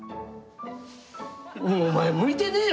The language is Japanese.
お前向いてねえよ